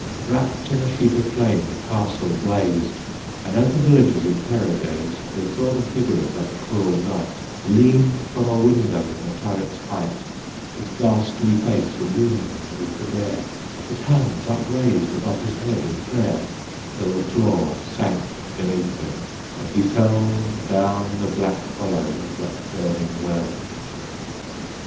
Wrapped in a sheet of flame the castle blazed, And as the villagers in terror gazed, They saw the figure of that cruel knight Lean from a window in the turret's height, His ghastly face illumined with the glare, His hands upraised above his head in prayer, Till the floor sank beneath him, and he fell Down the black hollow of that burning well.